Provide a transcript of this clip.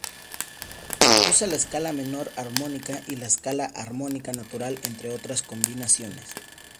Usa la escala menor armónica y la escala armónica natural entre otras combinaciones.